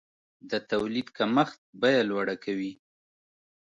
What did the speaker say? د تولید کمښت بیه لوړه کوي.